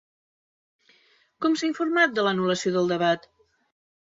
Com s'ha informat de l'anul·lació del debat?